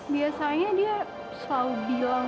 biasanya dia selalu bilang